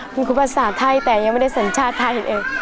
คุณครูภาษาไทยแต่ยังไม่ได้สัญชาติไทยเอง